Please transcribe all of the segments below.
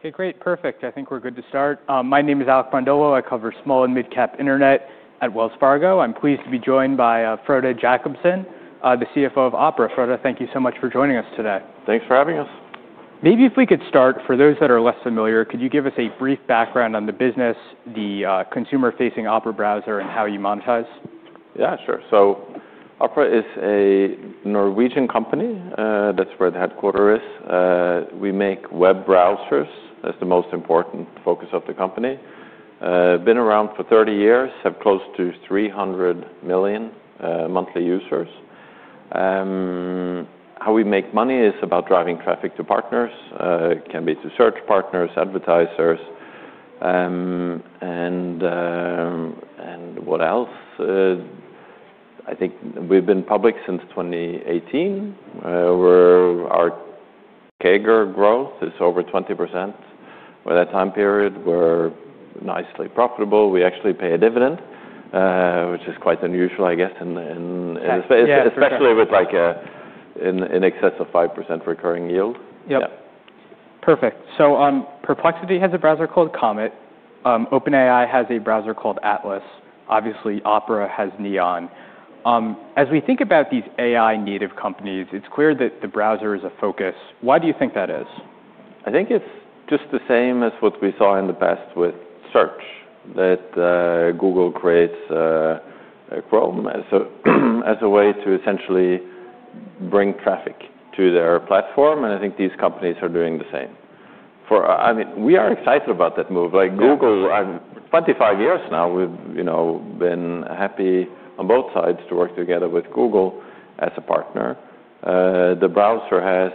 Okay, great. Perfect. I think we're good to start. My name is Alec Brondolo. I cover small and mid-cap internet at Wells Fargo. I'm pleased to be joined by Frode Jacobsen, the CFO of Opera. Frode, thank you so much for joining us today. Thanks for having us. Maybe if we could start, for those that are less familiar, could you give us a brief background on the business, the consumer-facing Opera browser, and how you monetize? Yeah, sure. Opera is a Norwegian company. That's where the headquarter is. We make web browsers. That's the most important focus of the company. Been around for 30 years. Have close to 300 million monthly users. How we make money is about driving traffic to partners. It can be to search partners, advertisers, and what else? I think we've been public since 2018, where our CAGR growth is over 20%. Over that time period, we're nicely profitable. We actually pay a dividend, which is quite unusual, I guess, especially with in excess of 5% recurring yield. Yep. Perfect. So Perplexity has a browser called Comet. OpenAI has a browser called Atlas. Obviously, Opera has Neon. As we think about these AI-native companies, it's clear that the browser is a focus. Why do you think that is? I think it's just the same as what we saw in the past with search, that Google creates Chrome as a way to essentially bring traffic to their platform. I think these companies are doing the same. I mean, we are excited about that move. Like Google, 25 years now, we've been happy on both sides to work together with Google as a partner. The browser has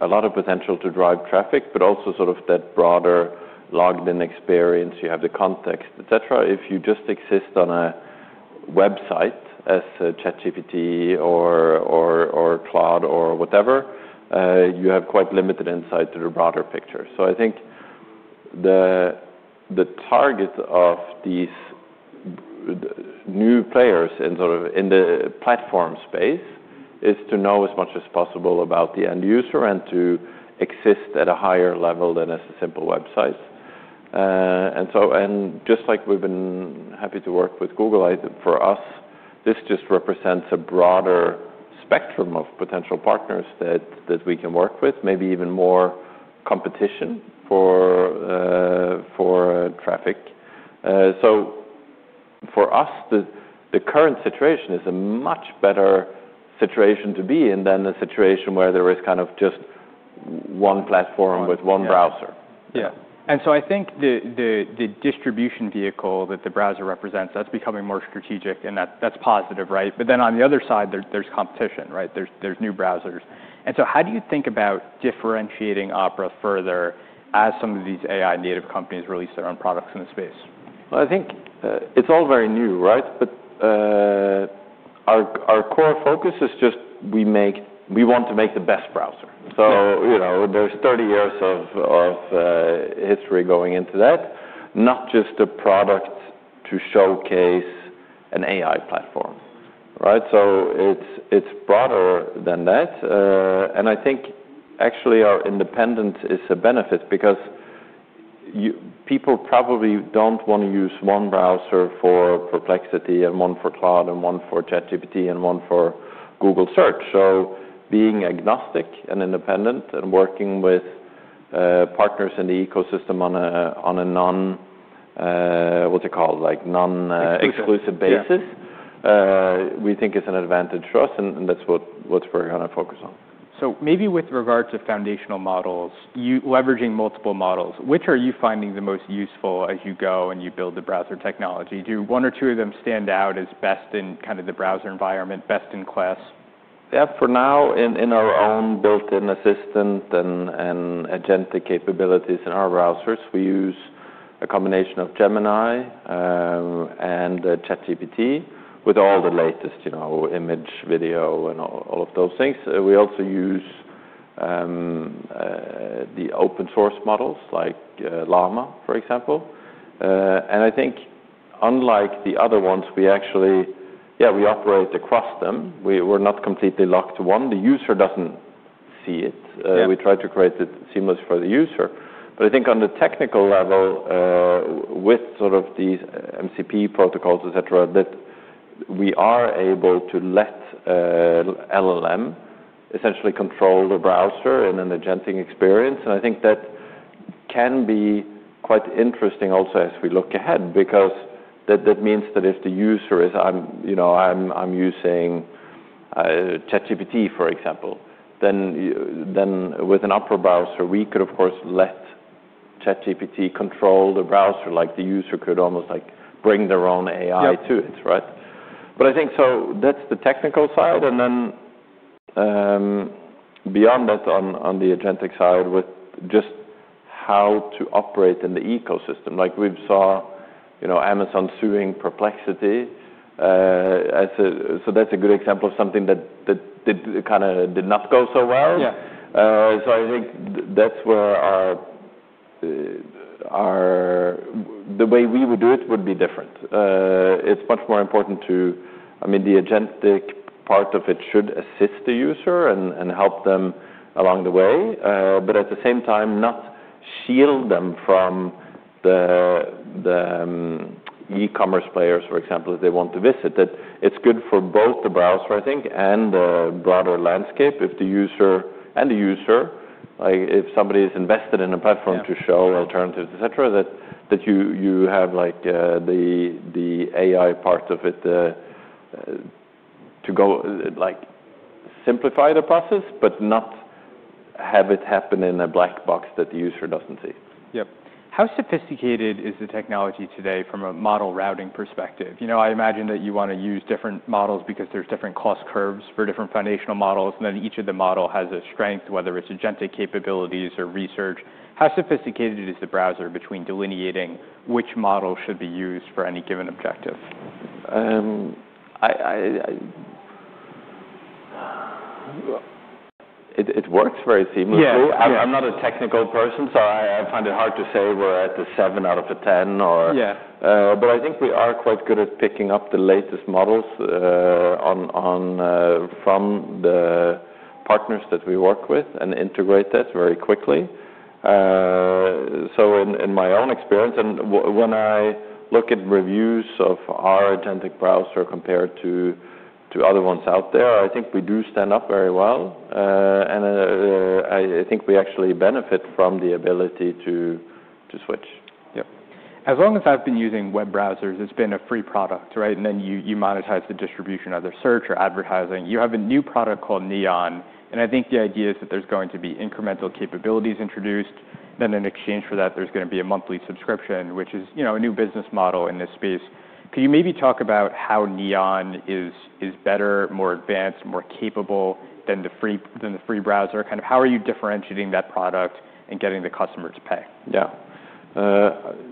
a lot of potential to drive traffic, but also sort of that broader logged-in experience. You have the context, et cetera. If you just exist on a website as ChatGPT or Claude or whatever, you have quite limited insight to the broader picture. I think the target of these new players in the platform space is to know as much as possible about the end user and to exist at a higher level than as a simple website. Just like we've been happy to work with Google, for us, this just represents a broader spectrum of potential partners that we can work with, maybe even more competition for traffic. For us, the current situation is a much better situation to be in than the situation where there is kind of just one platform with one browser. Yeah. I think the distribution vehicle that the browser represents, that's becoming more strategic. That's positive, right? Then on the other side, there's competition, right? There's new browsers. How do you think about differentiating Opera further as some of these AI-native companies release their own products in the space? I think it's all very new, right? Our core focus is just we want to make the best browser. There are 30 years of history going into that, not just a product to showcase an AI platform, right? It is broader than that. I think actually our independence is a benefit because people probably do not want to use one browser for Perplexity and one for Claude and one for ChatGPT and one for Google Search. Being agnostic and independent and working with partners in the ecosystem on a non-exclusive basis, we think, is an advantage for us. That is what we are going to focus on. Maybe with regard to foundational models, leveraging multiple models, which are you finding the most useful as you go and you build the browser technology? Do one or two of them stand out as best in kind of the browser environment, best in class? Yeah. For now, in our own built-in assistant and agentic capabilities in our browsers, we use a combination of Gemini and ChatGPT with all the latest image, video, and all of those things. We also use the open-source models like Llama, for example. I think unlike the other ones, we actually operate across them. We're not completely locked to one. The user doesn't see it. We try to create it seamless for the user. I think on the technical level, with sort of these MCP protocols, et cetera, that we are able to let LLM essentially control the browser and an agentic experience. I think that can be quite interesting also as we look ahead because that means that if the user is, I'm using ChatGPT, for example, then with an Opera browser, we could, of course, let ChatGPT control the browser. Like the user could almost bring their own AI to it, right? I think so, that's the technical side. Then beyond that, on the agentic side with just how to operate in the ecosystem. Like we saw Amazon suing Perplexity. That's a good example of something that kind of did not go so well. I think that's where the way we would do it would be different. It's much more important to—I mean, the agentic part of it should assist the user and help them along the way. At the same time, not shield them from the e-commerce players, for example, if they want to visit. It's good for both the browser, I think, and the broader landscape. If the user, if somebody is invested in a platform to show alternatives, et cetera, that you have the AI part of it to simplify the process, but not have it happen in a black box that the user does not see. Yep. How sophisticated is the technology today from a model routing perspective? I imagine that you want to use different models because there's different cost curves for different foundational models. Then each of the models has a strength, whether it's agentic capabilities or research. How sophisticated is the browser between delineating which model should be used for any given objective? It works very seamlessly. I'm not a technical person, so I find it hard to say we're at a 7 out of 10. I think we are quite good at picking up the latest models from the partners that we work with and integrate that very quickly. In my own experience, and when I look at reviews of our agentic browser compared to other ones out there, I think we do stand up very well. I think we actually benefit from the ability to switch. Yep. As long as I've been using web browsers, it's been a free product, right? You monetize the distribution of their search or advertising. You have a new product called Neon. I think the idea is that there's going to be incremental capabilities introduced. In exchange for that, there's going to be a monthly subscription, which is a new business model in this space. Could you maybe talk about how Neon is better, more advanced, more capable than the free browser? Kind of how are you differentiating that product and getting the customer to pay? Yeah.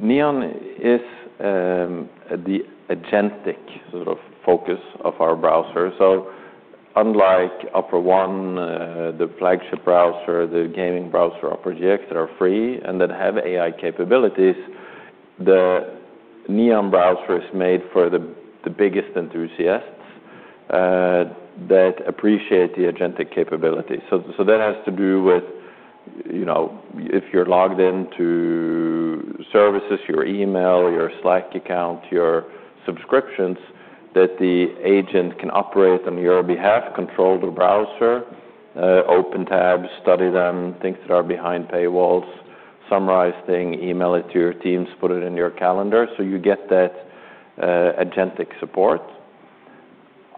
Neon is the agentic sort of focus of our browser. Unlike Opera One, the flagship browser, the gaming browser, Opera GX, that are free and that have AI capabilities, the Neon browser is made for the biggest enthusiasts that appreciate the agentic capability. That has to do with if you're logged into services, your email, your Slack account, your subscriptions, that the agent can operate on your behalf, control the browser, open tabs, study them, things that are behind paywalls, summarize things, email it to your teams, put it in your calendar. You get that agentic support.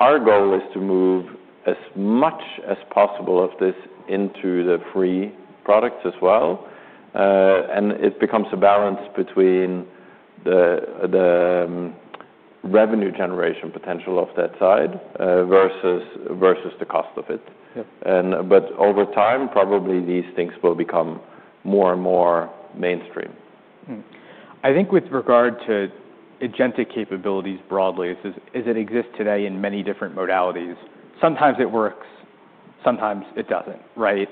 Our goal is to move as much as possible of this into the free products as well. It becomes a balance between the revenue generation potential of that side versus the cost of it. Over time, probably these things will become more and more mainstream. I think with regard to agentic capabilities broadly, as it exists today in many different modalities, sometimes it works, sometimes it doesn't, right?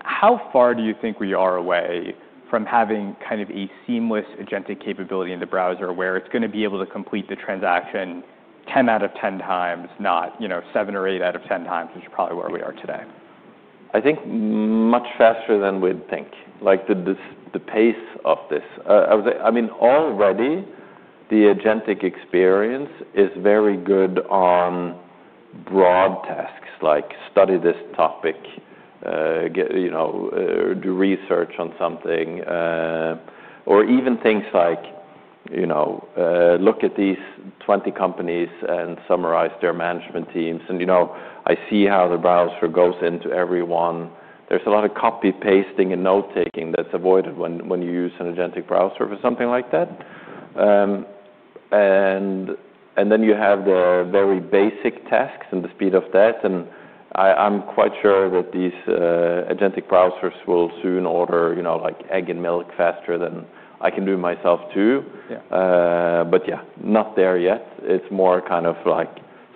How far do you think we are away from having kind of a seamless agentic capability in the browser where it's going to be able to complete the transaction 10 out of 10 times, not 7 or 8 out of 10 times, which is probably where we are today? I think much faster than we'd think. Like the pace of this. I mean, already the agentic experience is very good on broad tasks like study this topic, do research on something, or even things like look at these 20 companies and summarize their management teams. I see how the browser goes into everyone. There's a lot of copy-pasting and note-taking that's avoided when you use an agentic browser for something like that. You have the very basic tasks and the speed of that. I'm quite sure that these agentic browsers will soon order like egg and milk faster than I can do myself too. Not there yet. It's more kind of like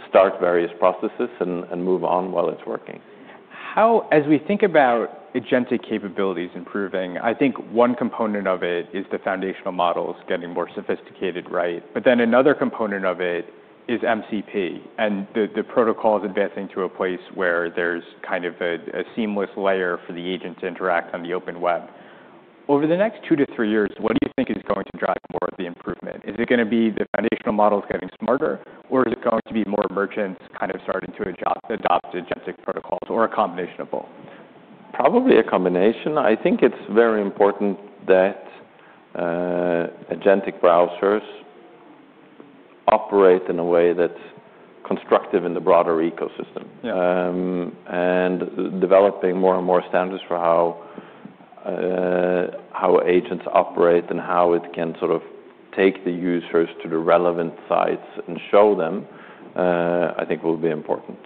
start various processes and move on while it's working. As we think about agentic capabilities improving, I think one component of it is the foundational models getting more sophisticated, right? Another component of it is MCP protocols advancing to a place where there is kind of a seamless layer for the agent to interact on the open web. Over the next two to three years, what do you think is going to drive more of the improvement? Is it going to be the foundational models getting smarter, or is it going to be more merchants kind of starting to adopt agentic protocols or a combination of both? Probably a combination. I think it's very important that agentic browsers operate in a way that's constructive in the broader ecosystem. Developing more and more standards for how agents operate and how it can sort of take the users to the relevant sites and show them, I think will be important.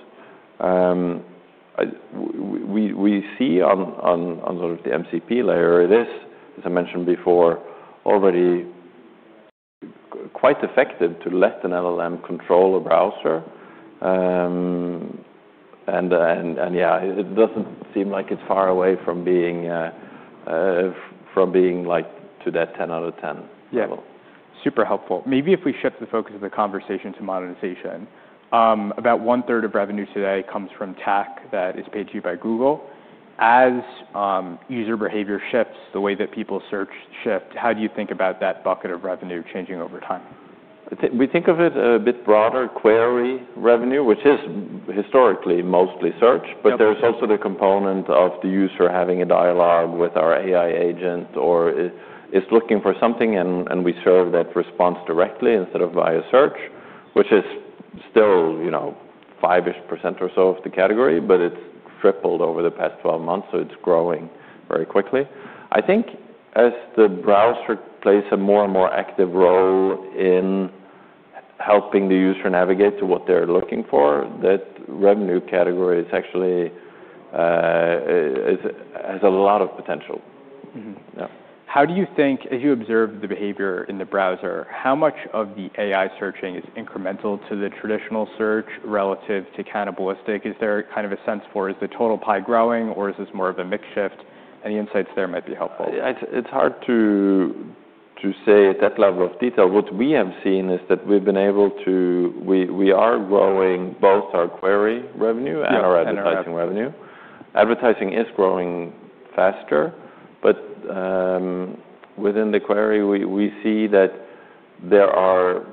We see on sort of the MCP layer, it is, as I mentioned before, already quite effective to let an LLM control a browser. Yeah, it doesn't seem like it's far away from being like to that 10 out of 10 level. Yeah. Super helpful. Maybe if we shift the focus of the conversation to modernization, about one-third of revenue today comes from tech that is paid to you by Google. As user behavior shifts, the way that people search shift, how do you think about that bucket of revenue changing over time? We think of it a bit broader, query revenue, which is historically mostly search. There is also the component of the user having a dialogue with our AI agent or is looking for something, and we serve that response directly instead of via search, which is still 5% or so of the category, but it has tripled over the past 12 months. It is growing very quickly. I think as the browser plays a more and more active role in helping the user navigate to what they are looking for, that revenue category actually has a lot of potential. How do you think, as you observe the behavior in the browser, how much of the AI searching is incremental to the traditional search relative to cannibalistic? Is there kind of a sense for is the total pie growing, or is this more of a mixed shift? Any insights there might be helpful. It's hard to say at that level of detail. What we have seen is that we've been able to—we are growing both our query revenue and our advertising revenue. Advertising is growing faster. Within the query, we see that there are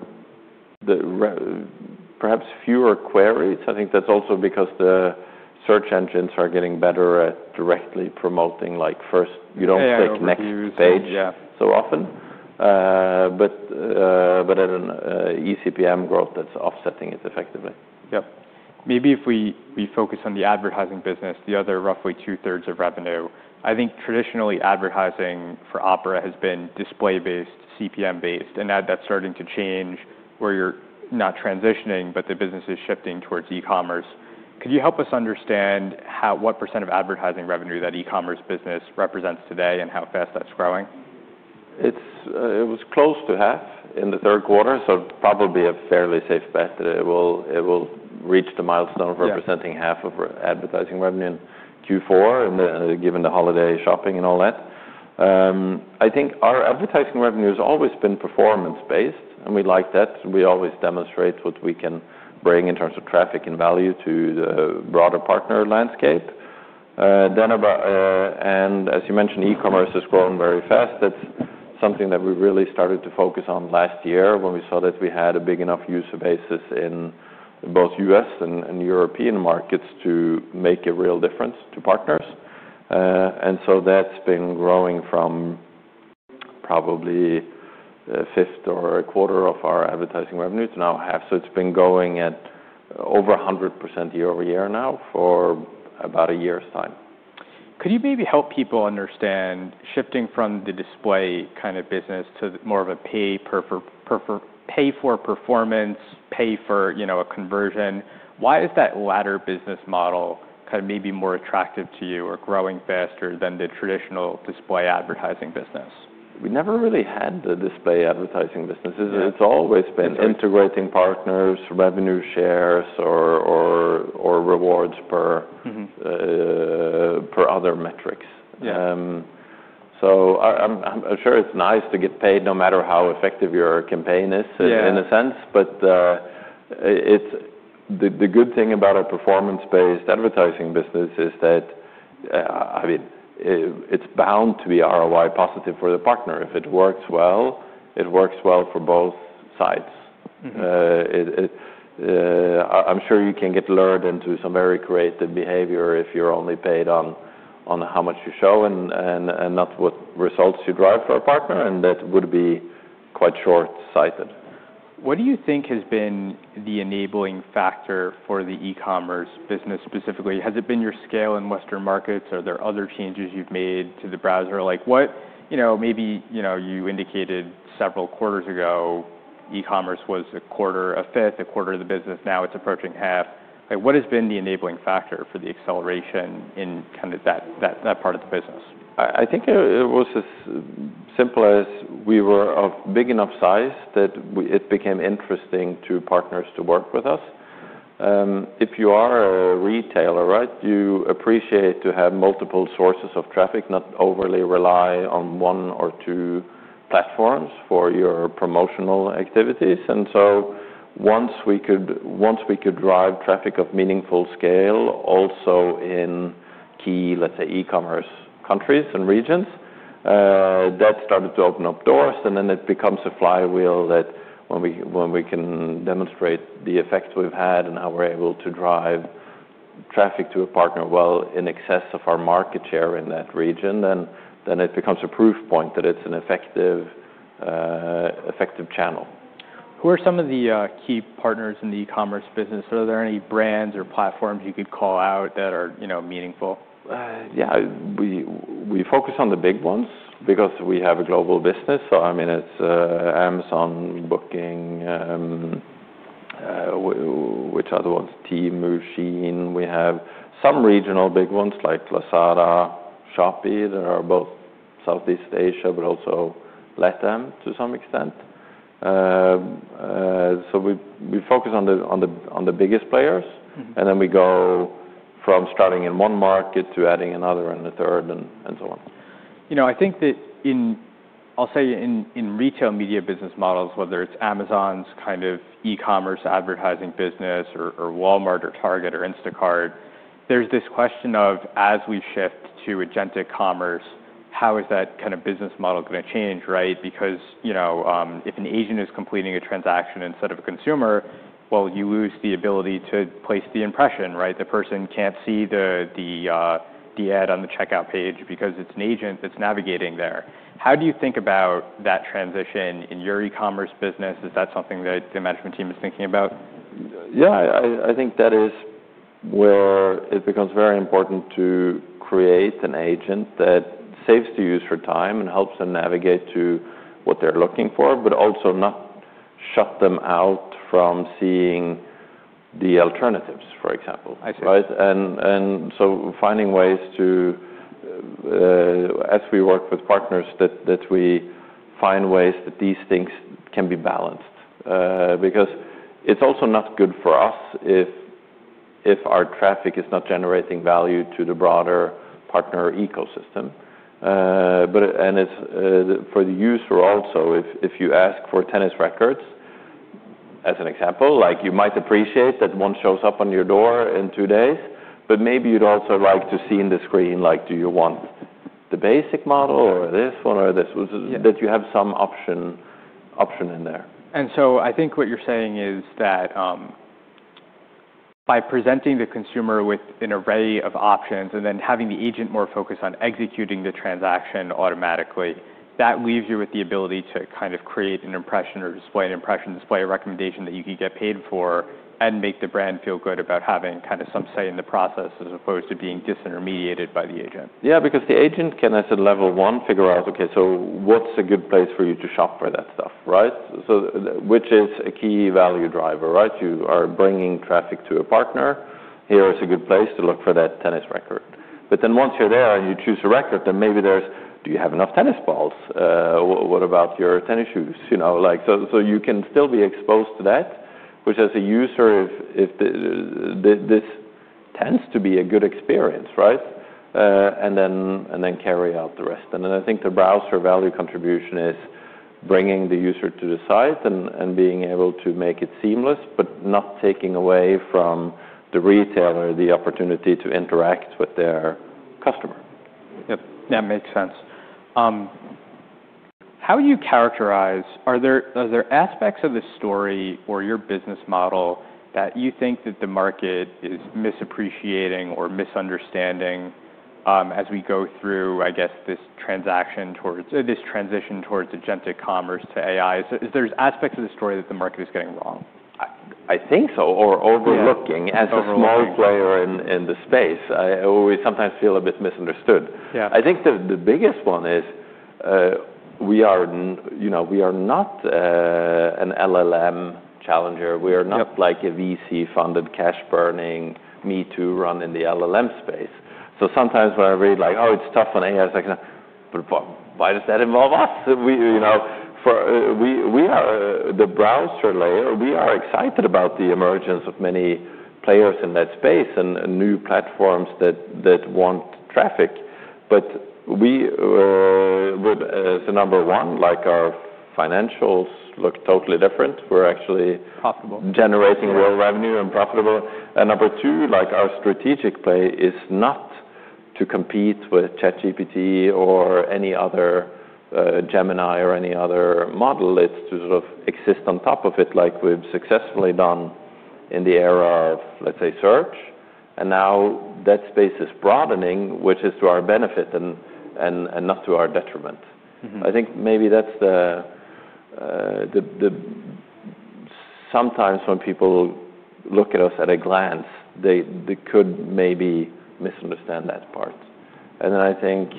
perhaps fewer queries. I think that's also because the search engines are getting better at directly promoting. Like first, you don't click next page so often. At an eCPM growth, that's offsetting it effectively. Yep. Maybe if we focus on the advertising business, the other roughly two-thirds of revenue, I think traditionally advertising for Opera has been display-based, CPM-based. Now that's starting to change where you're not transitioning, but the business is shifting towards e-commerce. Could you help us understand what percent of advertising revenue that e-commerce business represents today and how fast that's growing? It was close to half in the third quarter. Probably a fairly safe bet that it will reach the milestone of representing half of advertising revenue in Q4 given the holiday shopping and all that. I think our advertising revenue has always been performance-based. We like that. We always demonstrate what we can bring in terms of traffic and value to the broader partner landscape. As you mentioned, e-commerce has grown very fast. That is something that we really started to focus on last year when we saw that we had a big enough user basis in both U.S. and European markets to make a real difference to partners. That has been growing from probably a fifth or a quarter of our advertising revenue to now a half. It has been going at over 100% year-over-year now for about a year's time. Could you maybe help people understand shifting from the display kind of business to more of a pay-for-performance, pay-for-a-conversion? Why is that latter business model kind of maybe more attractive to you or growing faster than the traditional display advertising business? We never really had the display advertising business. It's always been integrating partners, revenue shares, or rewards per other metrics. I'm sure it's nice to get paid no matter how effective your campaign is in a sense. The good thing about a performance-based advertising business is that, I mean, it's bound to be ROI positive for the partner. If it works well, it works well for both sides. I'm sure you can get lured into some very creative behavior if you're only paid on how much you show and not what results you drive for a partner. That would be quite short-sighted. What do you think has been the enabling factor for the e-commerce business specifically? Has it been your scale in Western markets? Are there other changes you've made to the browser? Like what maybe you indicated several quarters ago, e-commerce was a quarter, a fifth, a quarter of the business. Now it's approaching half. What has been the enabling factor for the acceleration in kind of that part of the business? I think it was as simple as we were of big enough size that it became interesting to partners to work with us. If you are a retailer, right, you appreciate to have multiple sources of traffic, not overly rely on one or two platforms for your promotional activities. Once we could drive traffic of meaningful scale also in key, let's say, e-commerce countries and regions, that started to open up doors. It becomes a flywheel that when we can demonstrate the effect we've had and how we're able to drive traffic to a partner well in excess of our market share in that region, it becomes a proof point that it's an effective channel. Who are some of the key partners in the e-commerce business? Are there any brands or platforms you could call out that are meaningful? Yeah. We focus on the big ones because we have a global business. I mean, it's Amazon, Booking, which other ones? Temu, Shein. We have some regional big ones like Lazada, Shopee that are both Southeast Asia, but also Latin to some extent. We focus on the biggest players. Then we go from starting in one market to adding another and a third and so on. You know, I think that in, I'll say in retail media business models, whether it's Amazon's kind of e-commerce advertising business or Walmart or Target or Instacart, there's this question of as we shift to agentic commerce, how is that kind of business model going to change, right? Because if an agent is completing a transaction instead of a consumer, well, you lose the ability to place the impression, right? The person can't see the ad on the checkout page because it's an agent that's navigating there. How do you think about that transition in your e-commerce business? Is that something that the management team is thinking about? Yeah. I think that is where it becomes very important to create an agent that saves the user time and helps them navigate to what they're looking for, but also not shut them out from seeing the alternatives, for example, right? Finding ways to, as we work with partners, that we find ways that these things can be balanced. Because it's also not good for us if our traffic is not generating value to the broader partner ecosystem. For the user also, if you ask for tennis records, as an example, like you might appreciate that one shows up on your door in two days, but maybe you'd also like to see in the screen like, do you want the basic model or this one or this one? That you have some option in there. I think what you're saying is that by presenting the consumer with an array of options and then having the agent more focused on executing the transaction automatically, that leaves you with the ability to kind of create an impression or display an impression, display a recommendation that you can get paid for and make the brand feel good about having kind of some say in the process as opposed to being disintermediated by the agent. Yeah. Because the agent can as a level one figure out, okay, so what's a good place for you to shop for that stuff, right? Which is a key value driver, right? You are bringing traffic to a partner. Here is a good place to look for that tennis racket. But then once you're there and you choose a racket, then maybe there's, do you have enough tennis balls? What about your tennis shoes? So you can still be exposed to that, which as a user, this tends to be a good experience, right? And then carry out the rest. And then I think the browser value contribution is bringing the user to the site and being able to make it seamless, but not taking away from the retailer the opportunity to interact with their customer. Yep. That makes sense. How do you characterize, are there aspects of the story or your business model that you think that the market is misappreciating or misunderstanding as we go through, I guess, this transition towards agentic commerce to AI? There are aspects of the story that the market is getting wrong. I think so. Or overlooking as a small player in the space. I always sometimes feel a bit misunderstood. I think the biggest one is we are not an LLM challenger. We are not like a VC-funded cash-burning me-too run in the LLM space. Sometimes when I read like, oh, it's tough on AI, it's like, but why does that involve us? The browser layer, we are excited about the emergence of many players in that space and new platforms that want traffic. As a number one, like our financials look totally different. We're actually. Profitable. Generating real revenue and profitable. Number two, like our strategic play is not to compete with ChatGPT or any other Gemini or any other model. It is to sort of exist on top of it like we have successfully done in the era of, let's say, search. Now that space is broadening, which is to our benefit and not to our detriment. I think maybe sometimes when people look at us at a glance, they could maybe misunderstand that part. I think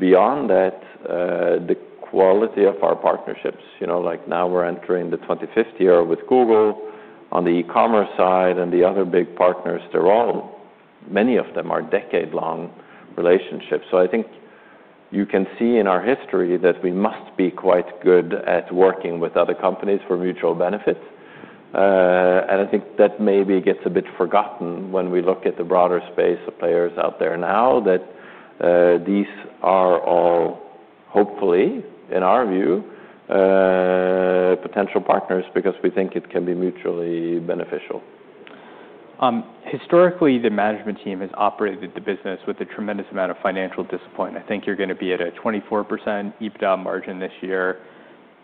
beyond that, the quality of our partnerships. Now we are entering the 25th year with Google on the e-commerce side and the other big partners. They are all, many of them are decade-long relationships. I think you can see in our history that we must be quite good at working with other companies for mutual benefit. I think that maybe gets a bit forgotten when we look at the broader space of players out there now that these are all, hopefully, in our view, potential partners because we think it can be mutually beneficial. Historically, the management team has operated the business with a tremendous amount of financial discipline. I think you're going to be at a 24% EBITDA margin this year.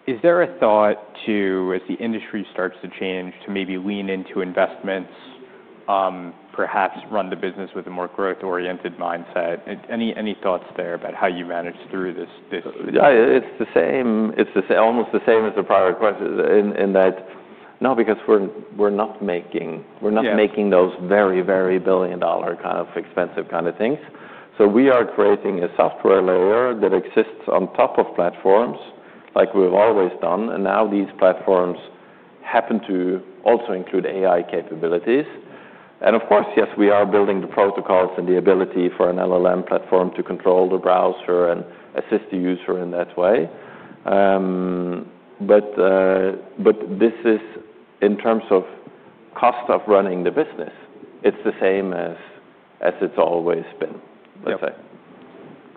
Is there a thought to, as the industry starts to change, to maybe lean into investments, perhaps run the business with a more growth-oriented mindset? Any thoughts there about how you manage through this? Yeah. It's the same. It's almost the same as the prior question in that. No, because we're not making those very, very billion-dollar kind of expensive kind of things. We are creating a software layer that exists on top of platforms like we've always done. Now these platforms happen to also include AI capabilities. Of course, yes, we are building the protocols and the ability for an LLM platform to control the browser and assist the user in that way. This is in terms of cost of running the business. It's the same as it's always been, let's say.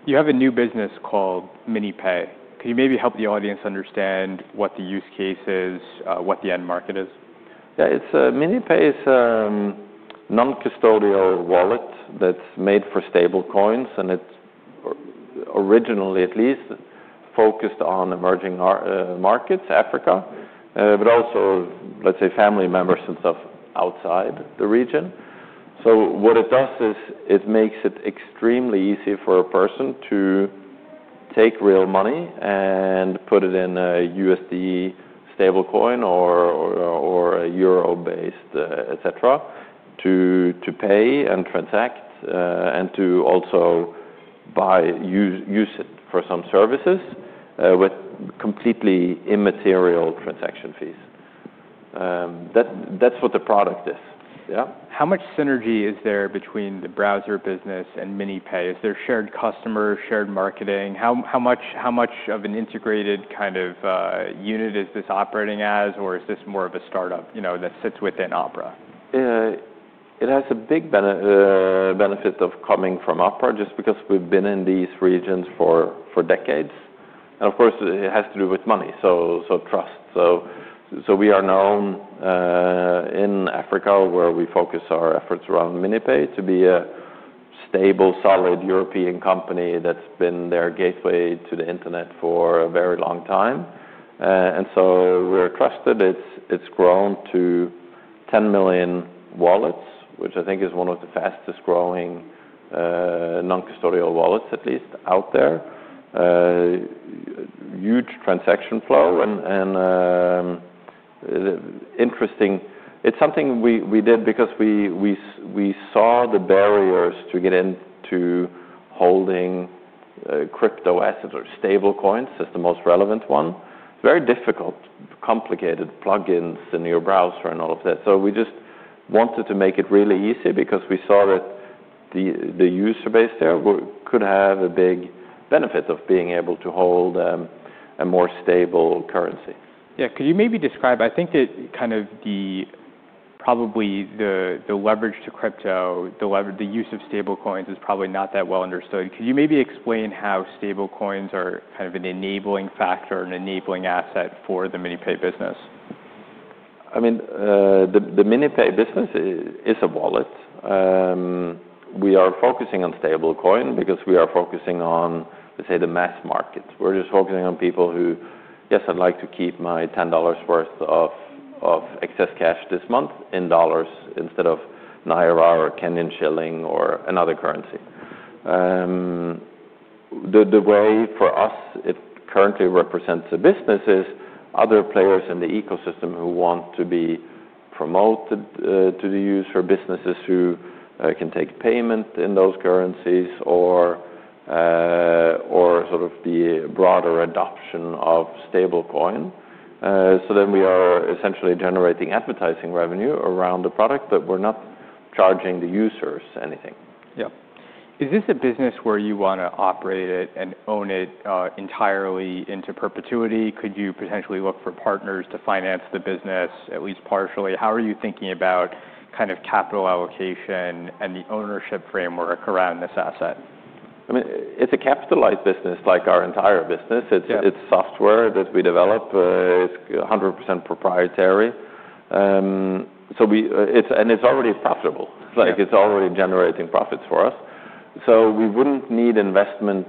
You have a new business called MiniPay. Could you maybe help the audience understand what the use case is, what the end market is? Yeah. MiniPay is a non-custodial wallet that's made for stablecoins. It is originally, at least, focused on emerging markets, Africa, but also, let's say, family members and stuff outside the region. What it does is it makes it extremely easy for a person to take real money and put it in a USD stablecoin or a euro-based, etc., to pay and transact and to also use it for some services with completely immaterial transaction fees. That's what the product is, yeah? How much synergy is there between the browser business and MiniPay? Is there shared customer, shared marketing? How much of an integrated kind of unit is this operating as, or is this more of a startup that sits within Opera? It has a big benefit of coming from Opera just because we've been in these regions for decades. Of course, it has to do with money, so trust. We are known in Africa where we focus our efforts around MiniPay to be a stable, solid European company that's been their gateway to the internet for a very long time. We are trusted. It's grown to 10 million wallets, which I think is one of the fastest growing non-custodial wallets, at least, out there. Huge transaction flow and interesting. It's something we did because we saw the barriers to get into holding crypto assets or stablecoins as the most relevant one. It's very difficult, complicated plugins in your browser and all of that. We just wanted to make it really easy because we saw that the user base there could have a big benefit of being able to hold a more stable currency. Yeah. Could you maybe describe, I think that kind of the probably the leverage to crypto, the use of stablecoins is probably not that well understood. Could you maybe explain how stablecoins are kind of an enabling factor, an enabling asset for the MiniPay business? I mean, the MiniPay business is a wallet. We are focusing on stablecoin because we are focusing on, let's say, the mass markets. We're just focusing on people who, yes, I'd like to keep my $10 worth of excess cash this month in dollars instead of an IRR or Kenyan shilling or another currency. The way for us, it currently represents a business is other players in the ecosystem who want to be promoted to the user, businesses who can take payment in those currencies, or sort of the broader adoption of stablecoin. We are essentially generating advertising revenue around the product, but we're not charging the users anything. Yeah. Is this a business where you want to operate it and own it entirely into perpetuity? Could you potentially look for partners to finance the business at least partially? How are you thinking about kind of capital allocation and the ownership framework around this asset? I mean, it's a capitalized business like our entire business. It's software that we develop. It's 100% proprietary. And it's already profitable. It's already generating profits for us. We wouldn't need investment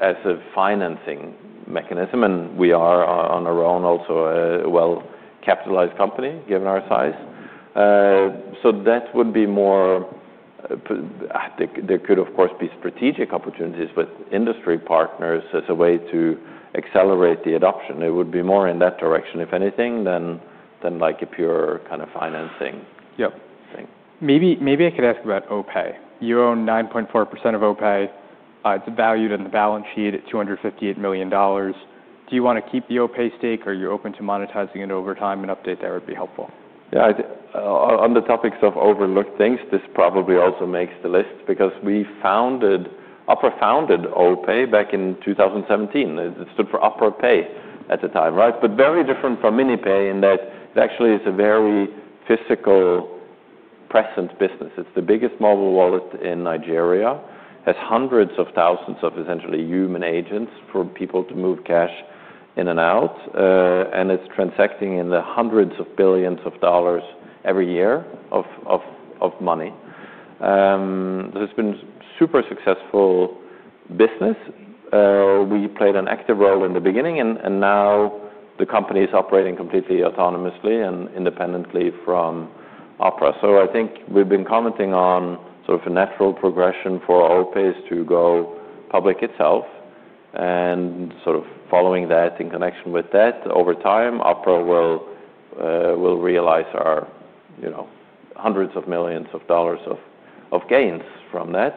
as a financing mechanism. We are on our own also a well-capitalized company given our size. That would be more, there could of course be strategic opportunities with industry partners as a way to accelerate the adoption. It would be more in that direction, if anything, than like a pure kind of financing thing. Maybe I could ask about OPay. You own 9.4% of OPay. It's valued on the balance sheet at $258 million. Do you want to keep the OPay stake or are you open to monetizing it over time? An update there would be helpful. Yeah. On the topics of overlooked things, this probably also makes the list because we founded, Opera founded OPay back in 2017. It stood for Opera Pay at the time, right? Very different from MiniPay in that it actually is a very physical, present business. It is the biggest mobile wallet in Nigeria. It has hundreds of thousands of essentially human agents for people to move cash in and out. It is transacting in the hundreds of billions of dollars every year of money. It has been a super successful business. We played an active role in the beginning. Now the company is operating completely autonomously and independently from Opera. I think we have been commenting on sort of a natural progression for OPay to go public itself. Sort of following that, in connection with that, over time, Opera will realize our hundreds of millions of dollars of gains from that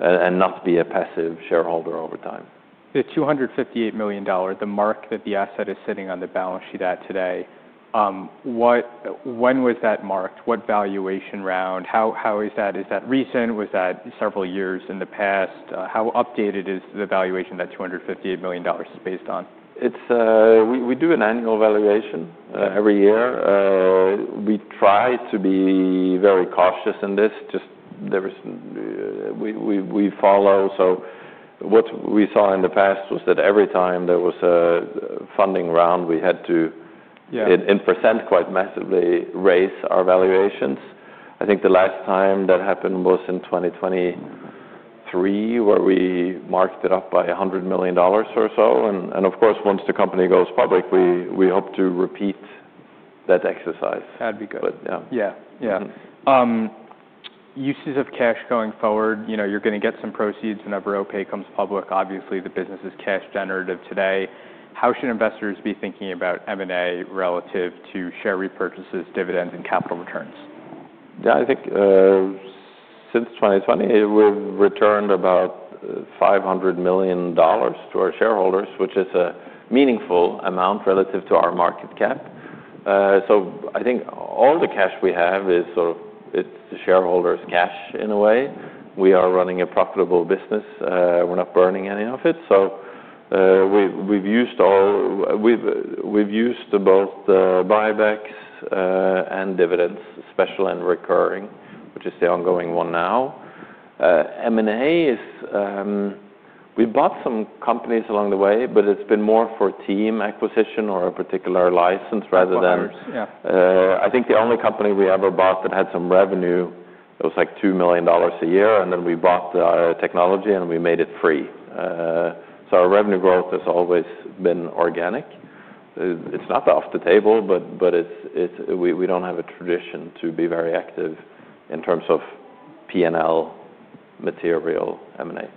and not be a passive shareholder over time. The $258 million, the mark that the asset is sitting on the balance sheet at today, when was that marked? What valuation round? How is that? Is that recent? Was that several years in the past? How updated is the valuation that $258 million is based on? We do an annual valuation every year. We try to be very cautious in this. Just we follow. What we saw in the past was that every time there was a funding round, we had to, in percent, quite massively raise our valuations. I think the last time that happened was in 2023 where we marked it up by $100 million or so. Of course, once the company goes public, we hope to repeat that exercise. That'd be good. But yeah. Yeah. Yeah. Uses of cash going forward. You're going to get some proceeds whenever OPay comes public. Obviously, the business is cash-generative today. How should investors be thinking about M&A relative to share repurchases, dividends, and capital returns? Yeah. I think since 2020, we've returned about $500 million to our shareholders, which is a meaningful amount relative to our market cap. I think all the cash we have is sort of, it's the shareholders' cash in a way. We are running a profitable business. We're not burning any of it. We've used both buybacks and dividends, special and recurring, which is the ongoing one now. M&A is, we bought some companies along the way, but it's been more for team acquisition or a particular license rather than. Partners. Yeah. I think the only company we ever bought that had some revenue, it was like $2 million a year. We bought the technology and we made it free. Our revenue growth has always been organic. It's not off the table, but we don't have a tradition to be very active in terms of P&L material M&A.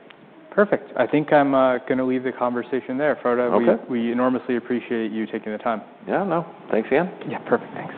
Perfect. I think I'm going to leave the conversation there, Frode. We enormously appreciate you taking the time. Yeah. No. Thanks again. Yeah. Perfect. Thanks.